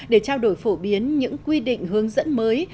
để trao đổi phổ biến những quy định hướng dẫn mới